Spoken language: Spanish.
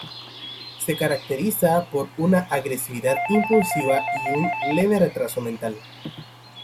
Se caracteriza por una agresividad impulsiva y un leve retraso mental.